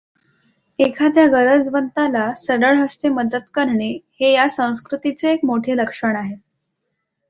एखाद्या गरजवंताला सढळ हस्ते मदत करणे हे या संस्कृतीचे एक मोठे लक्षण आहे